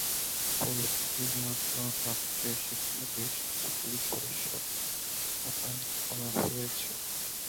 পরিস্থিতি নিয়ন্ত্রণে রাখতে সেখানে বেশ কিছু পুলিশ সদস্য মোতায়েন রাখা হয়েছে।